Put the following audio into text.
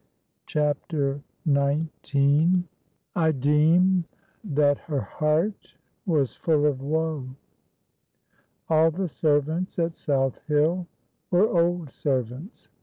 CHAPTER XIX. ' I DEME THAT IIIEE IIERTE WAS FUL 01 WO.' All the servants at South Hill were old servants.